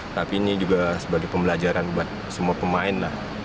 tapi ini juga sebagai pembelajaran buat semua pemain lah